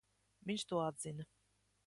Viņš to atzina.